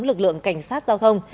lực lượng cảnh sát giao thông